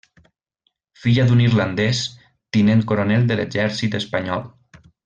Filla d'un irlandès, tinent coronel de l'exèrcit espanyol.